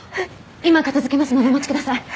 今片づけますのでお待ちください